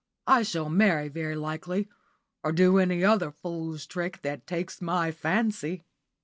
I shall marry very likely, or do any other fool's trick that takes my fancy."